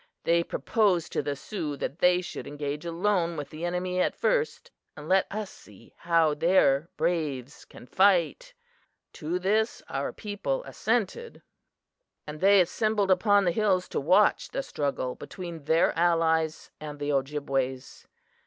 They proposed to the Sioux that they should engage alone with the enemy at first, and let us see how their braves can fight! To this our people assented, and they assembled upon the hills to watch the struggle between their allies and the Ojibways.